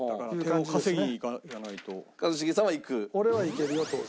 俺はいけるよ当然。